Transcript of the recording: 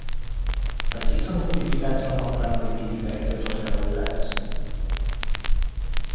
Per qui són codificats la membrana lipídica i tots els carbohidrats?